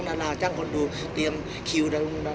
พี่อัดมาสองวันไม่มีใครรู้หรอก